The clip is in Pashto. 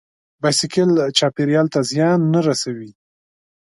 بایسکل چاپېریال ته زیان نه رسوي.